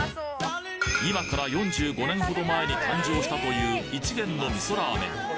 今から４５年ほど前に誕生したという一元の味噌ラーメン